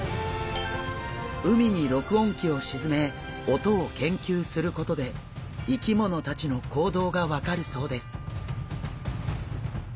海に録音機を沈め音を研究することで生き物たちの行動が分かるそうです。